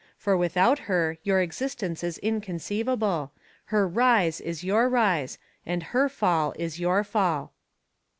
For without her your existence is inconceivable; her rise is your rise and her fall is your fall."